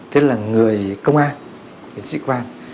thế là người công an người sĩ quan